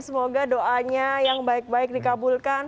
semoga doanya yang baik baik dikabulkan